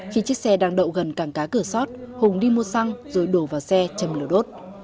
khi chiếc xe đang đậu gần cảng cá cửa sót hùng đi mua xăng rồi đổ vào xe châm lửa đốt